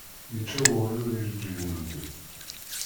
Yečča weɣyul ijeǧǧigen-nni.